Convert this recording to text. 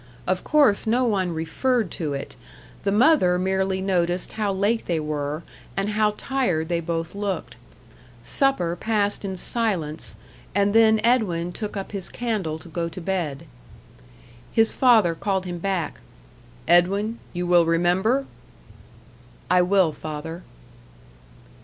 Of course, no one referred to it. The mother merely noticed how late they were, and how tired they both looked. Supper passed in silence, and then Edwin took up his candle to go to bed. His father called him back. "Edwin, you will remember?" "I will, father."